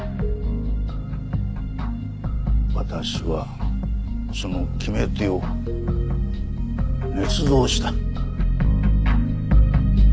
私はその決め手を捏造した。